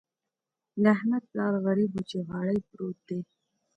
د احمد پلار غريب وچې غاړې پروت دی.